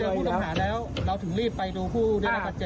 เราถึงรีบไปดูผู้ด้วยแล้วก็เจ็บ